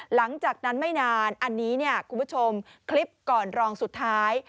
หลังจากนั้นไม่นานอันนี้เนี่ยคุณผู้ชมคลิปก่อนรองสุดท้าย